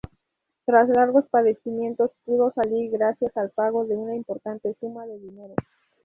Tras largos padecimientos, pudo salir gracias al pago de una importante suma de dinero.